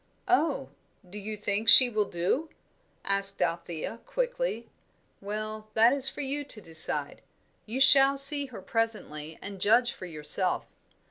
"Oh do you think she will do?" asked Althea, quickly. "Well, that is for you to decide. You shall see her presently and judge for yourself.